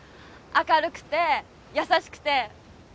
明るくて優しくて。